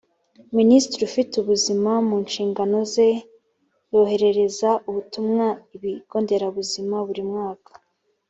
minisitiri ufite ubuzima mu nshingano ze yoherereza ubutumwa ibigonderabuzima buri mwaka.